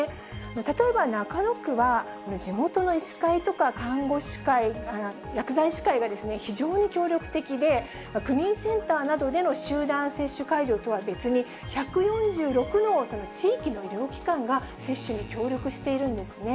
例えば中野区は、これ、地元の医師会とか看護師会、薬剤師会が非常に協力的で、区民センターなどでの集団接種会場とは別に、１４６の地域の医療機関が接種に協力しているんですね。